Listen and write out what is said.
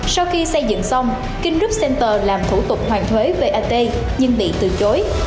sau khi xây dựng xong king roub center làm thủ tục hoàn thuế vat nhưng bị từ chối